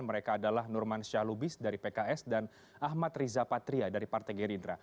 mereka adalah nurman syah lubis dari pks dan ahmad riza patria dari partai gerindra